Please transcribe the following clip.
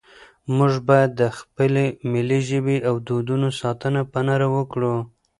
موږ باید د خپلې ملي ژبې او دودونو ساتنه په نره وکړو.